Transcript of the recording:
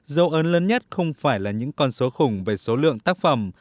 dấu ấn lớn nhất không phải là những con số khủng về số lượng tác phẩm